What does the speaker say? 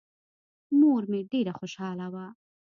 مور مې ډېره خوشاله وه.